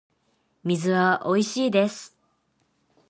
水はおいしいです